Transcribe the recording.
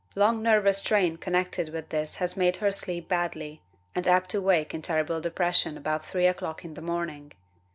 Long nervous strain connected with this has made her sleep badly, and apt to wake in terrible depression about 3 o'clock in the morning.